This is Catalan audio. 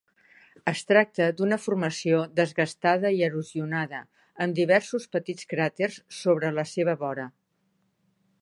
Es tracta d'una formació desgastada i erosionada, amb diversos petits cràters sobre la seva vora.